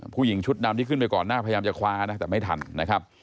ผู้หญิงชุดดำที่ขึ้นไปก่อนหน้าพยายามจะคว้านะแต่ไม่ทันนะครับ